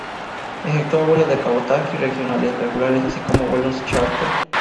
Efectúa vuelos de cabotaje y regionales regulares así como vuelos chárter.